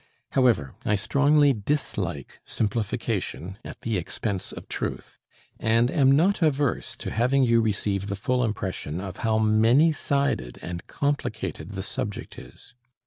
However, I strongly dislike simplification at the expense of truth, and am not averse to having you receive the full impression of how many sided and complicated the subject is.